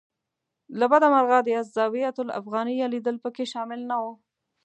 له بده مرغه د الزاویة الافغانیه لیدل په کې شامل نه و.